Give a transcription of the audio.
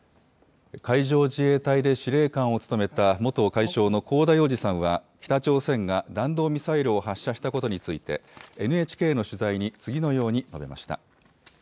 海上自衛隊で司令官を務めた、元海将の香田洋二さんは、北朝鮮が弾道ミサイルを発射したことについて、ＮＨＫの取材に次のように述べました。